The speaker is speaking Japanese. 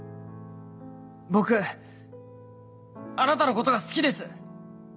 僕あなたのことが好きです！